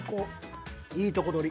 いいとこ取り。